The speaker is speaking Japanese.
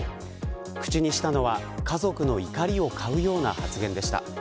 口にしたのは、家族の怒りを買うような発言でした。